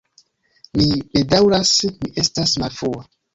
Mi bedaŭras, mi estas malfrua.